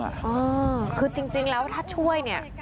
อ่าคือจริงแล้วถ้าช่วยนี่